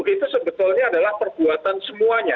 itu sebetulnya adalah perbuatan semuanya